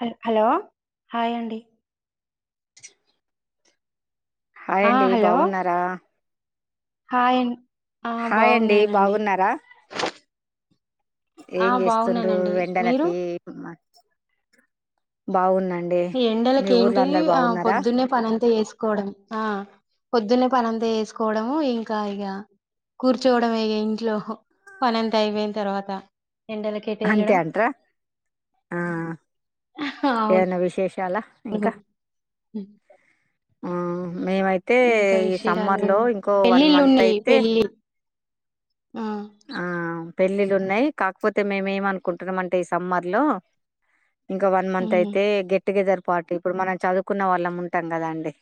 హ hello hi అడి ఆ అాండి హలో బాగున్నారా హాయ్ ఆ హాయ్ అండి బాగున్నానండి బాగున్నారా ఆ ఏం చేస్తుండ్ర బాగున్నానండి మీరు వెండలకి బాగున్నాం ఎండలక ఏంటి ఆ పొద్దున్నే పనంత వేసుకోవడం ఆ పొద్దున్నే పనం తీసుకోవడము ఇంకా ఇక కూర్చోవడం అ ఇంట్లో పన ఎంత అయిపోయిన తర్వాత ఎండలో కేట అంతే వెళ్ళడం అంటారా ఆ అవును చాలా ఇంకా మేమైతే ఇంకా ఈ సమ్మర్ విశేషాలు లో ఇంకో వన్ పెళ్ళిళ్ళు మంత్ ఉన్నాయి అయితే పెళ్ళి ఆ ఆ పెళ్ళిళ్ళ ఉన్నాయి కాకపోతే మేమేం అనుకుంటున్నాం అంటే ఈ సమ్మర్ లో ఇంకా వన్ మంత్ ఉమ్ అయితే గెట్ టుగెదర్ పార్టీ ఇప్పుడు మనం చదువుకున్న వాళ్ళం ఉంటాం కదా అండి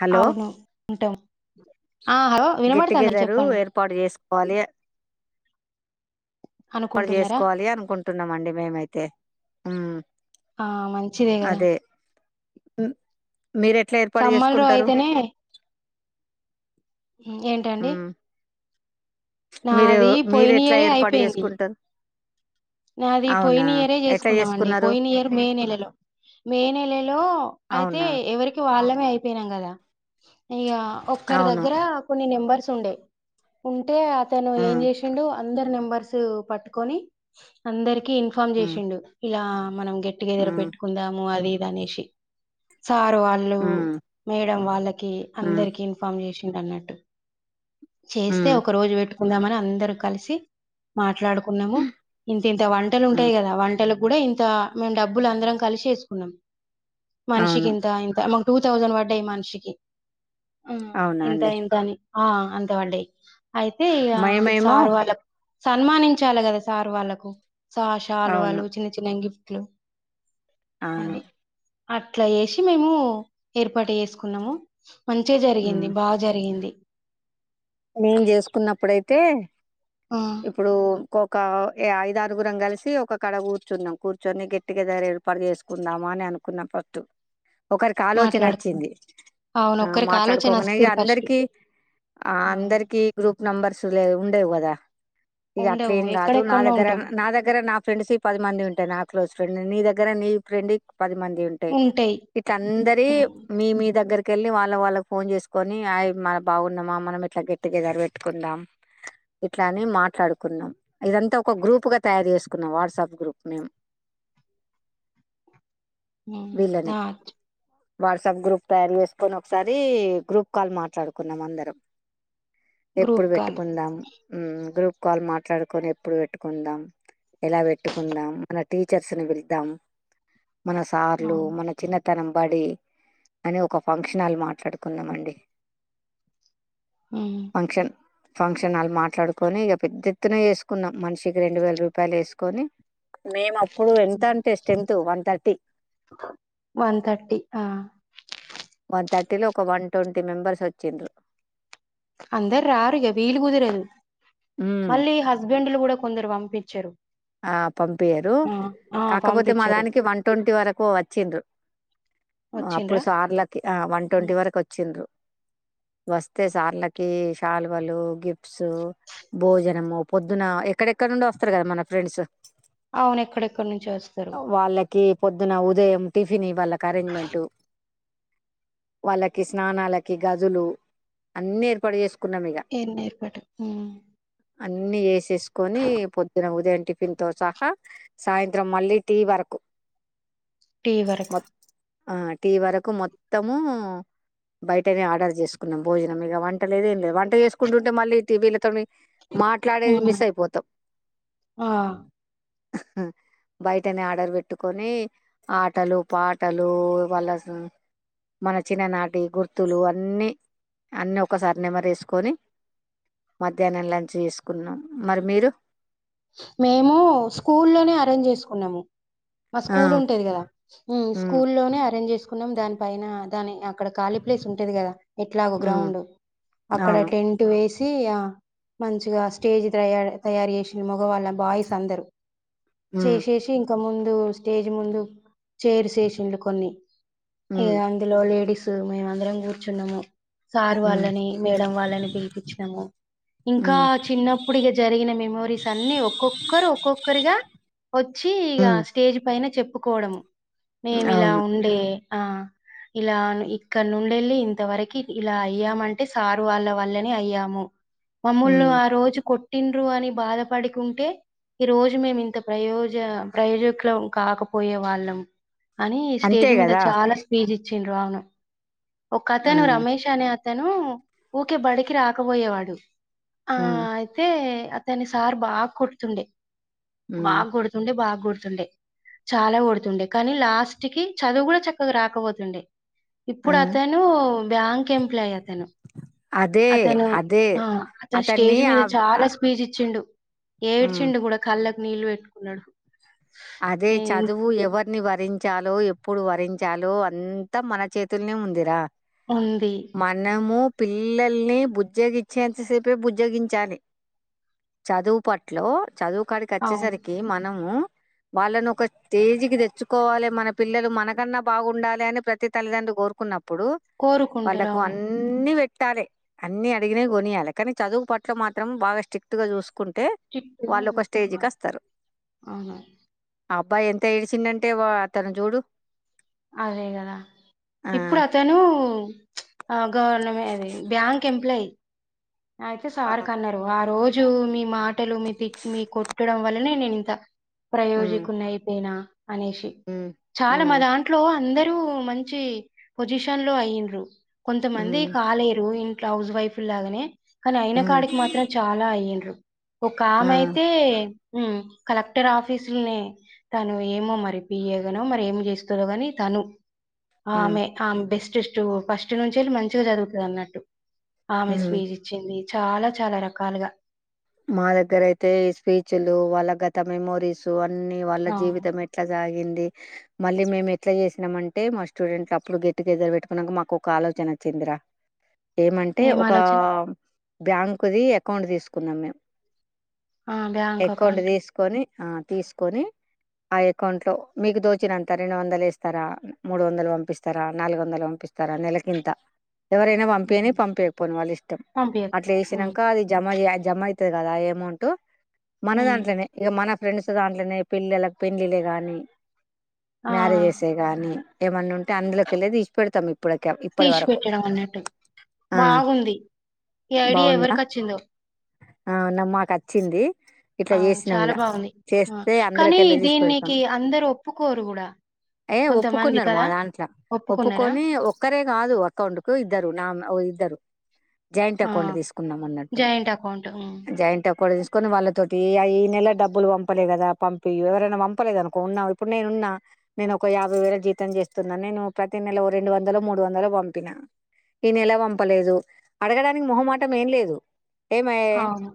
హలో అవును ఉంటాం ఆ హలో వినబడుతుంద చెప్పండి పార్టీ చేసుకోవాలి పార్టీ అనుకుంటున్నారా చేసుకోవాలి అనుకుంటున్నామండి మేమైతే ఉమ్ ఆ మంచిదే కదా అదే మ్, మీరు ఎట్లా ఏర్పాటు సమ్మర్లో చేసుకుంటారు అయితేనే ఉ ఏ ఉమ్ మీరు నావి మీరు పోయిన ఎట్లా ఇయరే ఏర్పాటు అయిపోయింది చేసుకుంటారు అది అవునా పోయిన ఇయరే ఎట్లా చేసుకున్నామండి చేసుకున్నారు పోయిన ఇయర్ మే నెలలో మే నెలలో అయితే అవునా ఎవరికి వాళ్ళ అయిపోయినాం కద ఇగ ఒకరి అవును దగ్గర కొన్నీ నెంబర్ స్ ఉండే ఉంటే అతను ఏం ఉమ్ చేసిండు అందరు నెంబర్స్ పట్టుకొని అందరికి ఇన్ఫార్మ్ ఉమ్ చేసిండు ఇలా మనం గెట్టుగెదర్ ఉమ్ పెట్టుకుందాము అది ఇద్ దనేసి సార్ వాళ్ళు ఉమ్ మేడం వాళ్ళకి ఉమ్ అందరికి ఇన్ఫార్మ్ చేసి నిన్నట్టు చేస్తే ఉమ్ ఒక రోజు పెట్టుకుందామని అందరూ కలిసి మా ట్లాడుకున్నాము ఇంత ఇంత వంటలు ఉమ్ ఉంటాయి కదా వంటలు గూడా ఇంత మేము డబ్బులు అందరం కలిసి వేసుకున్నాం మనిషికి అవును ఇంత ఇంత మాక్ టూ థౌజండ్ పడ్డాయి మనిషికి ఆ అవునా ఇంత అండి ఇంతని ఆ అంత్ త బడ్డాయ్ అయితే మేమేమో సారు వాళ్ళకు సన్మానించాలి కదా సారు వాళ్ళకు స అవును షాల్వాలు చిన్న చిన్న గిఫ్ట్లు అవును అది అట్లా ఏసి మేము ఏర్పాటు చేసుకున్నాము మంచిగా ఉమ్ జరిగింది బాగా జరిగింది మేం చేసుకున్నప్పుడైతే ఆ ఇప్పుడు కోకా ఐద ఆరుగురం కలిసి ఒకక్కడ కూర్చున్నాం కూర్చొని గెట్టుగెదర్ ఏర్పాడి చేసుకుందాంమా అని అనుకున్నాం ఫస్ట్ ఒకరికి ఆలోచన మాట్లాడుకున్నాం వచ్చింది అవును ఆ ఒక్కరికి ఆలోచన మాట్లాడుకొంగనే వస్తది ఫస్ట్ అందరికి అవును అందరికిీ గ్రూప్ నెంబర్స్ లే ఉండేవు కదా ఇగ ఉండవు అట్లేం కాదు నా ఎక్కడెక్కడనో దగ్గర ఉంటాం నా దగ్గర నా ఫ్రెండ్స్ పది మంది ఉంటాయి నా క్లోజ్ ఫ్రెండ్స్ నీ దగ్గర నీ ఫ్రెండ్ పది మంది ఉంటాయి ఇట్ల అందరియి ఉమ్, మీ మీ దగ్గర క్కేళ్ళి వాళ్ళ వాళ్ళకి ఫోన్ చేసుకొని మన బాగున్నామా మనం ఇట్లా గెట్ టుగెదర్ పెట్టుకుందాం ఇట్లానీ మాట్లాడుకున్నాం ఇదంతా ఒక గ్రూప్ గా తయారు చేసుకున్నాం వాట్సాప్ గ్రూప్ మేము అ ఉమ్ అట్ వాట్సాప్ గ్రూప్ తయారు చేసుకొని ఒకసారి గ్రూప్ కాల్ మాట్లాడుకున్నాం అందరం ఎప్పుడు గ్రూప్ కాల్ పెట్టుకుందాం ఉమ్ గ్రూప్ కాల్ మాట్లాడుకొని ఎప్పుడు పెట్టుకుందాం ఎలా పెట్టుకుందాం మన టీచర్స్ ని పిలుద్దామ్ మన సార్లు అవును మన చిన్న తన బడి అని ఒక ఫంక్షన్ల్ మాట్లాడుకున్నాం అండి ఉమ్, ఫంక్షన్ ఫంక్షన్లు మాట్లాడుకొని ఇక పెద్ద ఎత్తున వేసుకున్నాం మనిషికి రెండు వేల రూపాయలు వేసుకొని మేము అప్పుడు ఎంత అంటే strength one thirty one thirty ఆ వన్ థర్టీలో ఒక వన్ ట్వంటీ మెంబర్స్ వచ్చిండ్రు అందరు రారుగా వీలు కుదిరేదు మ్మ్ మళ్ళీ హస్బెండ్లు కూడా కొందరు పంపిచ్చారు ఆ పంపియరు కాకపోతే మా పంపించరు దానికి వన్ ట్వంటీ వరకు వచ్చిండ్రు అప్పుడు వచ్చిండ్రా సార్లకి ఆ వన్ ట్వంటీ ఉమ్. వరకు వచ్చిండ్రు వస్తే సార్లకి సాల్వాలు గిఫ్ట్స్ భోజనము పొద్దున ఎక్కడెక్కడ నుండో వస్తారు కదా మన ఫ్రెండ్స్ అవున ఎక్కడెక్కడి నుంచో వస్తారు కి పొద్దున ఉదయం టిఫినీ వాళ్ళకి అరేంజ్మెంట్ వాళ్ళకి స్నానాలకి గదులు అన్ని ఏర్పాటు చేసుక్ ఎన్ని ఏర్పటు హ్మ్ అన్ని వేసేసుకొని పొద్దున ఉదయం టిఫిన్ తో సహా సాయంత్రం మళ్ళీ టీ వరకు టీ మొ వరకు ఆ టీ వరకు మొత్తము బయటనే ఆర్డర్ చేసుకున్నాం భోజనం ఇక వంట లేద ఏం లేదు వంట చేసుకుంటుంటే మళ్ళీ టీవీలతోనీ మాట్లాడేది ఉమ్, మిస్ అయిపోతాం ఆ బయటనే ఆర్డర్ పెట్టుకొని ఆటలు పాటలు వాళ్ళ మన చిన్ననాటి గుర్తులు అన్నిీ అన్నీ ఒకసారి నెమరేసుకొని మధ్యాహ్నం లంచ్ చేసుకున్నాం మరి మీరు మేము స్కూ లోనే అరేంజ్ చేసుకున్నాము మా ఆ స్కూల్ ఉంటది కదా హ్మ్ స్కూ ఉమ్ లోనే అరేంజ్ చేసుకున్నాం దాని పైన దాని ఆ అక్కడ ఖాళీ ప్లేస్ ఉంటది కదా ఎట్లాగో ఉమ్ గ్రౌండ్ అక్కడ అవును టెంట్ ఏస సి యా మంచిగా స్టేజ్ తయ తయారు చేసిన మగవాళ్ళ బాయ్స్ అందరు ఉమ్ చేసేసి ఇంక ముందు స్టేజ్ ముందు చైర్స్ ఎస్సీలు కొన్ని ఇగ ఉమ్ అందులో లేడీస్ మేము అందరం కూర్చున్నాము సార్ ఉమ్ వాళ్ళని మేడం వాళ్ళని పిలిపచ్చినాము ఇంకా ఉమ్ చిన్నప్పుడు ఇగా జరిగిన మెమోరీస్ అన్నీ ఒక్కొక్కరు ఒక్కొక్కరిగా వచ్చి ఇక ఉమ్ స్టేజ్ పైన చెప్పుకోవడం మేమి ఇలా అవును ఉండే ఆ ఇలా ఇక్కడ నుండెళ్ళి ఇంతవరకు ఇలా అయ్యామంటే సారు వాళ్ళ వల్లనే అయ్యాము మామూళ్ళు ఉమ్ ఆ రోజు కొట్టిన్రు అని బాధపడుకుంటే ఈ రోజు మేమి ఇంత ప్రయోజ ప్రయోజకులం కాకపోయే వాళ్ళం అని అంతే స్టేజ్ మీద కదా చాలా స్పీజ్ ఇచ్చిండ్రు అవును ఒక ఆ అతను రమేష్ అనే అత అతను ఊకే బడికి రాకపోోయేవాడు ఆ ఉమ్ అయితే అతని సార్ బాగా కోడుతుండే ఉమ్ బాగా కోడుతుండే బాగా కో డుతుండే చాలా కొడుతుండే కానీ లాస్ట్ కి చదువు కూడా చక్కగా రాకపోతుండే ఆ ఇప్పుడు అతను బ్యాంక్ ఎం ప్లాయ్ అతను అదే అతను అదే ఆ అతను అతన్ని స్టేజ్ మీద ఆ ఆ, చాలా స్పీచ్ ఇచ్చిండు ఉమ్ ఏడ్చిండు కూడా కళ్ళకి నీళ్ళు పెట్టుకున్నాడు అదే ఏం చదువు ఎవరిని వరించాలో ఎప్ ఏప్పుడు వరించలో అంతా మన చేతులనే ఉందిరా ఉంది మనము పిల్లల్ని బుజ్జోగిచ్చేంతసేపే బుజ్జగించాలి చదువు పట్లో చదువుకాడికి అవును వచ్చేసరికి మనము వాళ్ళను ఒక స్టేజీకి తెచ్చుకోవాలి మన పిల్లలు మనకన్నా బాగుండాలి అని ప్రతి తల్లిదండ్ర్రి కోరుకున్న ఇప్పుడు కోరుకుంటారు వాళ్ళకు అవును అన్ని పెట్ ట్టాలే అన్ని అడిగిన కొనియాలి కానీ చదువు పట్ల మాత్రం బాగా స్ట్రిక్ట్ గా చూసుక్ అవునా ఆ అబ్బాయి ఎంత ఏడిచిండాంటే వా అ తను చూడు అదే కదా ఇప్పుడు ఆ! అతను గవర్నది బ్యాంక్ ఎంప్లాయీ అయితే సార్ కన్నారు ఆ రోజు రజు మీ మాటలు మీ తిట్ మీ కొట్టడం వల్లనే నేను ఇంత హ్మ్ ప్రయోజకుని అయిపోయినా అనేసి హ్మ్ చాలా మా హ్మ్ దాంట్లో అందరి రూ మంచి పొజిషన్ లో అయింరు కొంత మంది హ్మ్ కాలేరు ఇం హౌస్ వైఫ్ లాగానే కానీ అయిన హ్మ్ కాడికి మాత్రం చాలా అయ్యండ్రు ఒక ఆమె అయితే ఆ. ఉమ్, కలెక్టర్ ఆఫీసులనే తను ఏమో మరి పియగానో మరి ఏమి చేస్తుందో కానీ తను హ్మ్ ఆమె ఆమె బెస్టెస్ట్ ఫస్ట్ నుంచిళ్ళి మంచిగా చదువుతాది అన్నట్టు ఆమె హ్మ్ స్వీజ్ ఇచ్చింది చాలా చాలా రకాలుగా మా దగ్గర అయితే స్పీచ్లు వాళ్ళ గాత మెమోరీస్ అట్లా అన్ని వాళ్ళ ఆ, జీవితం ఎట్లా సాగింది మళ్ళీ మేము ఎట్లా చేసినామంటే మా స్టూడెంట్లు అప్పుడు గెట్టుగెదర్ పెట్టుకున్నానికి మాకు ఒక ఆలోచన అచ్చిందిరా ఏమంటే ఏం ఒక ఆలోచన బ్యాంక్ ది అకౌంట్ తీసుకున్నాం మేము అకౌంట్ తీసుకొని ఆ తీసుకొని ఆ అకౌంట్ లో మీకు దోచినంత రెండు వందలు వేస్తారా మూడు వందలు పంపిస్తారా నాలుగు వందలు పంపి స్తారా నెలకింత ఎవరైనా పంపేని పంపయకపోను వాళ్ళు ఇష్టం అట్లా పంపించకపోయి వేసినాక అది జమ జమ కదా అమౌంట్ మన దాంట్లోనే ఇగ మన ఫ్రెండ్స్ దాంట్లోనే పిల్లలకు పెళ్ళలే కానీ మ్యారేజేసే కానీ అందుకేలే తీసి పెడతాం ఇప్పటికే ఇప్పటి తీసి వరకు పెట్టడం అన్నట్టు ఆ బాగుంది ఈ ఐడియా బాగుందా ఎవరికి వచ్చిందో ఆ నమ్మాకు అచ్చింది ఇట్లా అవును చేసినాం చాలా ఇగ బాగుంది. ఆ! చేస్తే కానీ అందుకేలే తీసి పెడుతాం దీనికి అందరూ ఒప్పుకోరు గూడా. ఏ కొంతమంది ఒప్పుకున్నారు మా కదా! దాంట్లో ఒప్పుకున్నారా? ఒప్పుకొని ఒక్కరే కాదు అక్కౌంట్ కు ఇద్దరు నా ఇద్దరు జాయింట్ అకౌంట్ తీసుకున్నాం అన్నట్టు జాయింట్ ఆ అకౌంట్. సుకొని వాళ్ళతోటి ఈ నెల డబ్బులు పంపలే కదా పంపి ఎవరైనా పంపలేదు అనుకోన్నా ఇప్పుడు నేను నా నేను ఒక యాభై వేల జీతం చేస్తున్నా నేను ప్రతి నెల ఓ రెండు వందలు మూడు వందలు పంపిన ఈ నెల పంపలేదు అడగడానికి మొహమాటం ఏం లేదు ఏమై అవును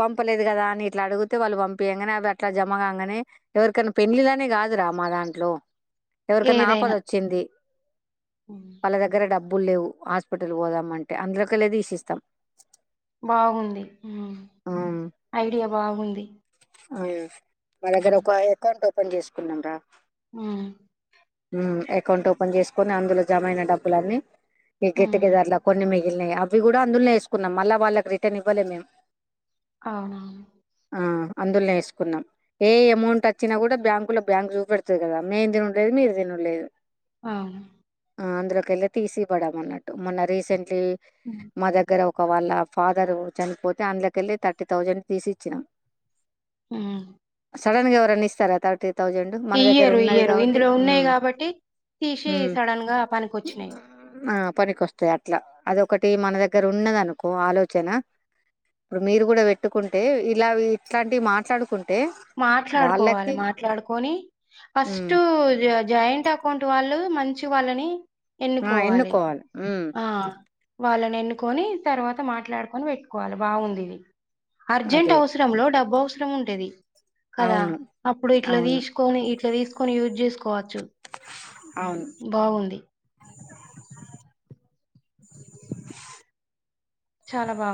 పంపలేదు కదా అని ఇట్లా అడిగితే వాళ్ళు పంపయగానే అవి అట్లా జమ కాగానే ఎవరికైనా పెళ్ళళ్నే కాదు రా మా దాంట్లో ఎవరికైనా ఆపద ఏదైనా. అచ్చింది హ్మ్. వాళ్ళ దగ్గర డబ్బులు లేవు హాస్పిటల్ పోదామంటే అందుకేలే తీసి ఇస్తాం బాగుంది హ్మ్ ఐడియా బాగుంది ఆ మా దగ్గర హ్మ్. ఒక అకౌంట్ ఓపెన్ చేసుకున్నాంరా హ్మ్ అకౌంట్ ఓపెన్ చేసుకొని అందులో జమ అయిన డబ్బులన్న ఈ గెట్ హ్మ్. టుగెదర్ లా కొన్ని మీ గిలినయి అవి కూడా అందులోనే వేసుకున్నాం మళ్ళా వాళ్ళకి రిటర్న్ ఇవ్వలే మేము అవునా ఆ అందులోనే వేసుకున్నాం ఏ అమౌంట్ వచ్చినా కూడా బ్యాంకు లో బ్యాంక్ చూపెడుతుంది కదా మేము తినిండేది మీరు లేదు ఆ ఆ అందులోకేళ్ళి తీసి ఇవ్వండి అన్నట్టు మొన్న రీసెంట్లీ హ్మ్. మా దగ్గర ఒక ఒక వాళ్ళ ఫాదర్ చనిపోతే అందులోకి వెళ్ళి థర్టీ థౌజండ్ తీసి ఇచ్చినాం హ్మ్ సడన్ గా ఎవరైనా ఇస్తారా థర్టీ థౌజండ్ మన దగ్గర ఇయ్యరు. ఉన్నది ఇయ్యరు. కాబట్టి ఇందులో ఉన్నాయి హ్మ్ గాబట్టి తీసి హ్మ్ సడెన్‌గా పనికొచ్చినాయి. ఆ పనికోస్తాది అట్లా అది ఒకటి మన దగ్గర ఉన్నది అనుకో ఆలోచన ఇప్పుడు మీరు కూడా పెట్టుకుంటే ఇలా ఇట్లాంటివి మాట్లాడుకుంటు మాట్లాడుకోవాలి మాట్లాడుకొని ఉమ్ ఫస్ట్ జాయింట్ అకౌంట్ వాళ్ళు మంచి వాళ్ళని ఆ ఎన్నుకోవాలి ఉమ్ ఆ వాళ్ళని ఎన్నుకొని తర్వాత మాట్లాడుకొని పెట్టుకోవాలి బాగుంది ఇది. అర్జెంట్ అదే అవసరం లో డబ్బు అవసరం ఉంటాది. కదా అవును అప్పుడు ఇట్లా అవును తీసుకొని ఇట్లా తీసుకొని యూజ్ చేసుకోవచ్చు అవును బాగుంది చాలా బా